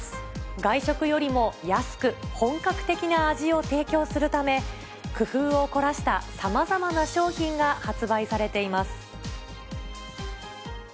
外食よりも安く、本格的な味を提供するため、工夫を凝らしたさまざまな商品が発売されています。